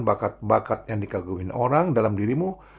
bakat bakat yang dikaguhin orang dalam dirimu